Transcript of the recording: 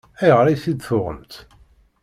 Ayɣer i t-id-tuɣemt?